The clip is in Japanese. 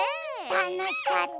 たのしかった。